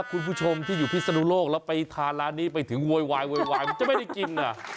คุณผู้ชมที่อยู่พฤษณุโลกแล้วไปทานร้านนี้ไปถึงโวยวายเม็ดจะไม่ได้กิน